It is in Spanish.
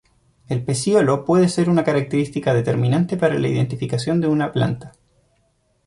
El pecíolo puede ser una característica determinante para la identificación de la planta.